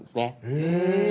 へえ！